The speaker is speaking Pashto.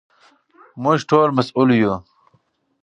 موږ ټول مسوول یو.